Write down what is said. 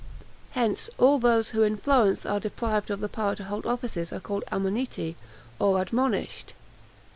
Hence, all those who in Florence are deprived of the power to hold offices are called ammoniti, or ADMONISHED.